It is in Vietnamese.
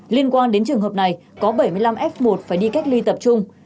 liên quan đến trường hợp này có bảy mươi năm f một phải đi cách ly tập trung